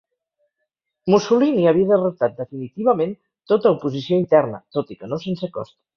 Mussolini havia derrotat definitivament tota oposició interna, tot i que no sense cost.